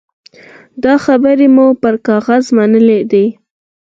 دا خبرې مو پر کاغذ منلي دي.